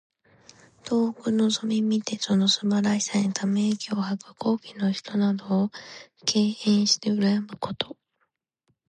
遠くのぞみ見てその素晴らしさにため息を吐く。高貴の人などを敬慕してうらやむこと。